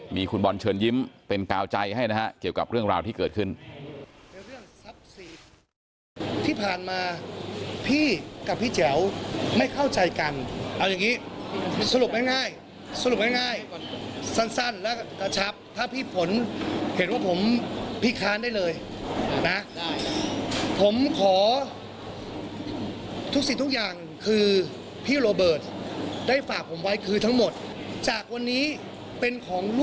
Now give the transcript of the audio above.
มีคุณบอลเชิญยิ้มเป็นกาวใจให้นะฮะเกี่ยวกับเรื่องราวที่เกิดขึ้น